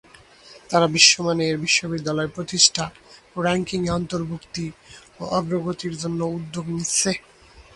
তারা বিশ্বমানের বিশ্ববিদ্যালয় প্রতিষ্ঠা, র্যাঙ্কিংয়ে অন্তর্ভুক্তি ও অগ্রগতির জন্য উদ্যোগ নিচ্ছে।